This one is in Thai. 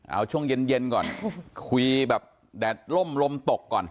เอาช่วงเย็นก่อนคุยแบบแดดล่มลมตกก่อน